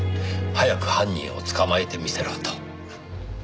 早く犯人を捕まえてみせろと。